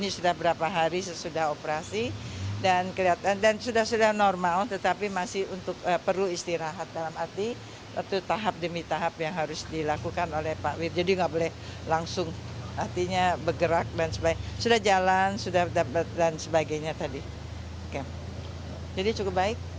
sudah jalan sudah dapat dan sebagainya tadi jadi cukup baik